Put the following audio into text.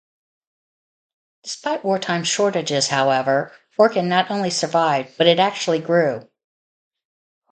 Despite wartime shortages, however, Orkin not only survived, but it actually grew.